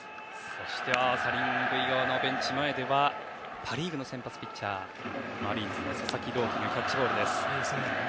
そして、３塁側のベンチ前ではパ・リーグの先発ピッチャーマリーンズの佐々木朗希がキャッチボールです。